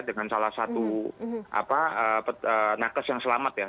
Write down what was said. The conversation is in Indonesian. dengan salah satu nakes yang selamat ya